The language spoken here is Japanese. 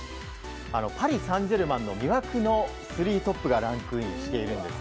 パリ・サンジェルマンの魅惑の３トップがランクインしています。